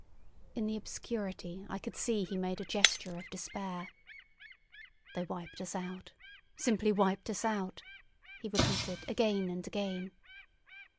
In the obscurity I could see he made a gesture of despair. "They wiped us out—simply wiped us out," he repeated again and again.